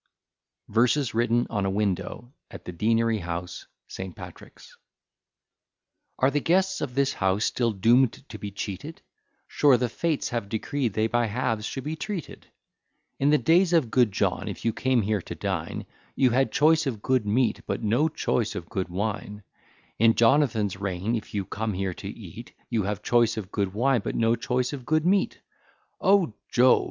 VERSES WRITTEN ON A WINDOW, AT THE DEANERY HOUSE, ST. PATRICK'S Are the guests of this house still doom'd to be cheated? Sure the Fates have decreed they by halves should be treated. In the days of good John if you came here to dine, You had choice of good meat, but no choice of good wine. In Jonathan's reign, if you come here to eat, You have choice of good wine, but no choice of good meat. O Jove!